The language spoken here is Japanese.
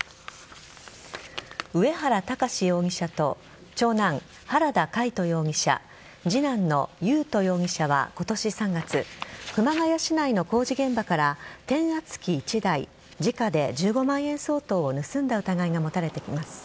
上原巌容疑者と長男・原田魁人容疑者次男の優斗容疑者は今年３月熊谷市内の工事現場から転圧機１台時価で１５万円相当を盗んだ疑いが持たれています。